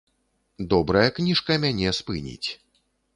Добрая кніжка мяне спыніць.